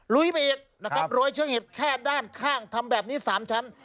ลุยไปอีกนะครับโรยเชื้อเห็ดแค่ด้านข้างทำแบบนี้๓ชั้น